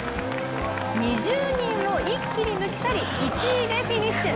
２０人を一気に抜き去り１位でフィニッシュ。